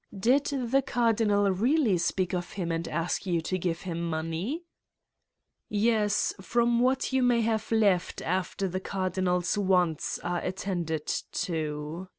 "Did the Cardinal really speak of him and ask you to give him money?" "Yes, from what you may have left after the Cardinal's wants are attended to."